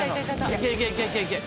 いけいけいけいけ！